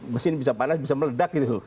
mesin bisa panas bisa meledak gitu